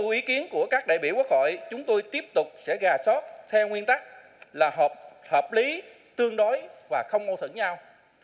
tuy nhiên tiếp thu ý kiến của các đại biểu quốc hội chúng tôi tiếp tục sẽ giả soát theo nguyên tắc là hợp lý tương đối và không mâu thuận nhau